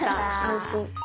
安心。